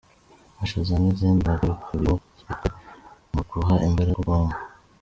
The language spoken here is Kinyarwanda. Amashaza n’izindi mboga bikubiyemo girikoze mu guha imbaraga ubwonko.